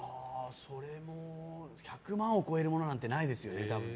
それも１００万を超えるものなんてないですよね、多分。